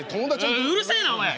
うるせえなお前！